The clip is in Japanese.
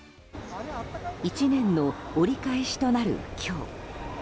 １年の折り返しとなる今日。